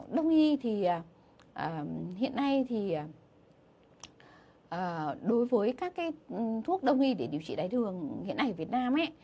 đồng nghi thì hiện nay thì đối với các cái thuốc đồng nghi để điều trị đài tháo đường hiện nay ở việt nam